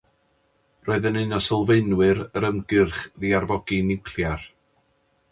Roedd yn un o sylfaenwyr yr Ymgyrch Ddiarfogi Niwclear.